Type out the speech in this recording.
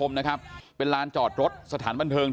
แม่ขี้หมาเนี่ยเธอดีเนี่ยเธอดีเนี่ยเธอดีเนี่ย